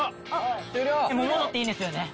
もう戻っていいんですよね？